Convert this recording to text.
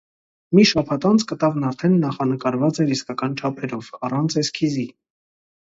Մի շաբաթ անց կտավն արդեն նախանկարված էր իսկական չափերով, առանց էսքիզի։